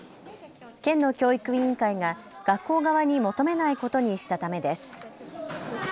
県の教育委員会が学校側に求めないことにしたためです。